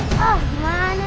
kelihatan biasa udah